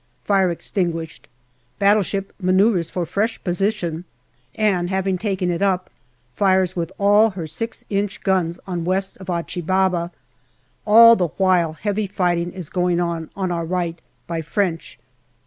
Fire ex tinguished. Battleship manoeuvres for fresh position, and 190 GALLIPOLI DIARY having taken it up, fires with all her 6 inch guns on west of Achi Baba. All the while heavy fighting is going on, on our right, by French.